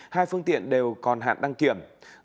hai phương tiện đều còn hạn đăng kiểm